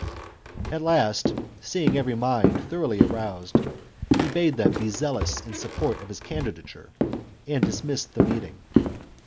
At last, seeing every mind thoroughly aroused, he bade them be zealous in sup port of his candidature, and dismissed the meeting.